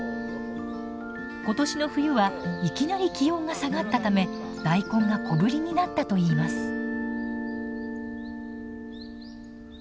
今年の冬はいきなり気温が下がったため大根が小ぶりになったといいます。